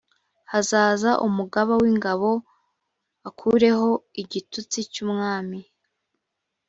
hazaza umugaba w’ingabo akureho igitutsi cy’umwami